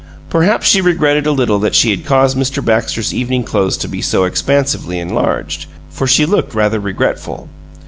Perhaps she regretted a little that she had caused Mr. Baxter's evening clothes to be so expansively enlarged for she looked rather regretful.